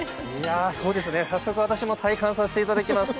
早速、私も体感させていただきます。